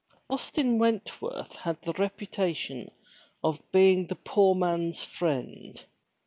Austin Wentworth had the reputation of being the poor man's friend.